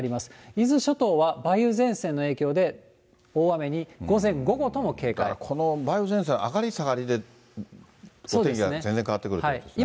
伊豆諸島は梅雨前線の影響で、大この梅雨前線、上がり下がりで、お天気が全然変わってくるということですね。